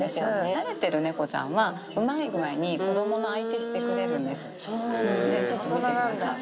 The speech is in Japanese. なれてる猫ちゃんはうまい具合に子どもの相手してくれるんです。ちょっと見てください。